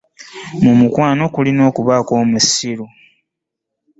Mu mukwano kulina okubaako omusiru.